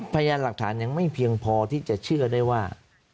พยานหลักฐานยังไม่เพียงพอที่จะเชื่อได้ว่า